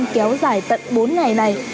kéo dài tận bốn ngày này